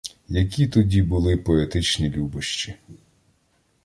Які тоді були поетичні любощі!